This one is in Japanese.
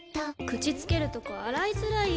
口つけるとこ洗いづらい！